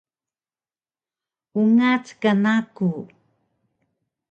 Ungac ka naku